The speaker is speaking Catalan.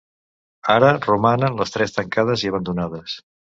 Ara romanen les tres tancades i abandonades.